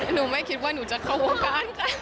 หนูไม่คิดว่าหนูจะเข้าวงการ